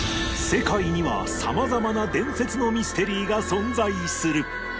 世界には様々な伝説のミステリーが存在する